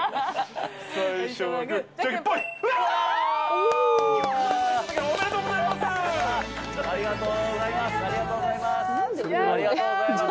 おめでとうございます。